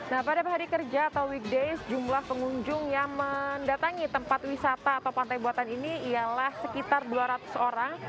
nah pada hari kerja atau weekdays jumlah pengunjung yang mendatangi tempat wisata atau pantai buatan ini ialah sekitar dua ratus orang